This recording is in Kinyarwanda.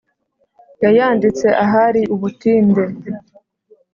Yayanditse ahari ubutinde